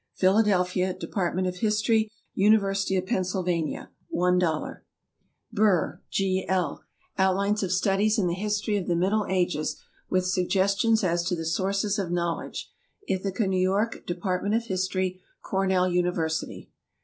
Philadelphia, Department of History, University of Pennsylvania, $1. BURR, G. L. "Outlines of Studies in the History of the Middle Ages, with Suggestions as to the Sources of Knowledge." Ithaca, N. Y., Department of History, Cornell University.